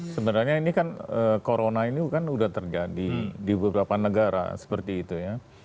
sebenarnya ini kan corona ini kan sudah terjadi di beberapa negara seperti itu ya